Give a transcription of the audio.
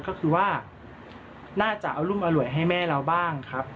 ก็คือว่าน่าจะอรุมอร่วยให้แม่เราบ้างครับ